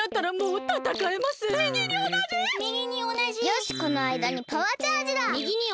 よしこのあいだにパワーチャージだ！